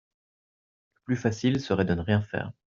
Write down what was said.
Le plus facile serait de ne rien faire.